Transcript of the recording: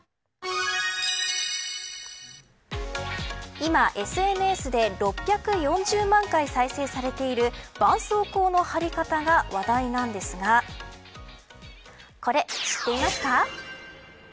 今、ＳＮＳで６４０万回再生されているばんそうこうの貼り方が話題なんですがこれ、知っていますか。